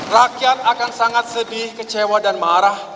rakyat akan sangat sedih kecewa dan marah